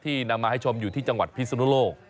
นำมาให้ชมอยู่ที่จังหวัดพิศนุโลก